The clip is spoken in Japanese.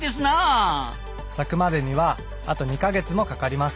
咲くまでにはあと２か月もかかります。